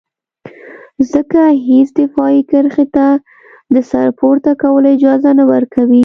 ځکه هېڅ دفاعي کرښې ته د سر پورته کولو اجازه نه ورکوي.